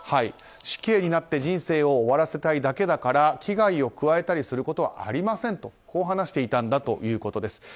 死刑になって人生を終わらせたいだけだから危害を加えたりすることはありませんと話していたんだということです。